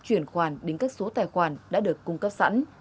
chuyển khoản đến các số tài khoản đã được cung cấp sẵn